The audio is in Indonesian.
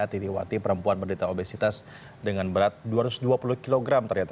titi wati perempuan berdiri obesitas dengan berat dua ratus dua puluh kg ternyata